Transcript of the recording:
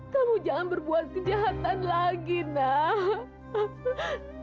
kamu jangan berbuat kejahatan lagi nak